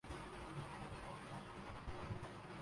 اپر سربیائی